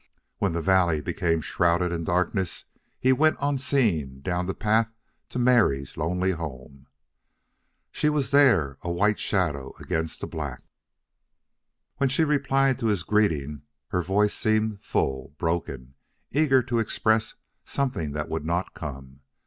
When the valley became shrouded in darkness he went unseen down the path to Mary's lonely home. She was there, a white shadow against the black. When she replied to his greeting her voice seemed full, broken, eager to express something that would not come.